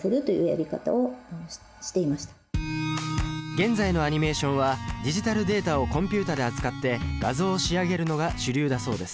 現在のアニメーションはディジタルデータをコンピュータで扱って画像を仕上げるのが主流だそうです。